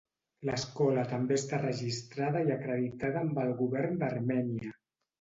L'escola també està registrada i acreditada amb el govern d'Armènia.